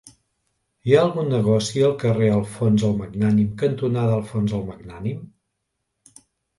Hi ha algun negoci al carrer Alfons el Magnànim cantonada Alfons el Magnànim?